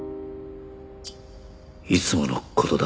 いつもの事だ